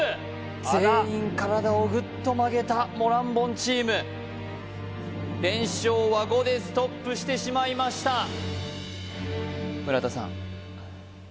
全員体をグッと曲げたモランボンチーム連勝は５でストップしてしまいました村田さん